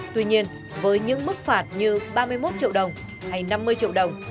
tuy nhiên với những mức phạt như ba mươi một triệu đồng hay năm mươi triệu đồng